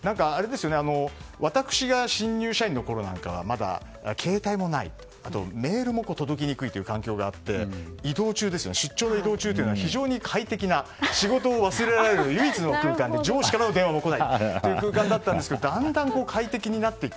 私が新入社員のころはまだ携帯もなくてあと、メールも届きにくいという環境があって出張で移動中というのは非常に快適な仕事を忘れられる唯一の空間で上司からも電話が来ないという空間だったんですがだんだん快適になっていく。